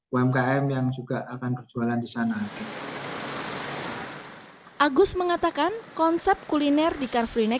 umkm yang juga akan berjualan di sana agus mengatakan konsep kuliner di car free night